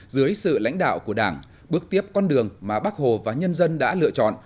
dưới sự lãnh đạo của đảng bước tiếp con đường mà bác hồ và nhân dân đã lựa chọn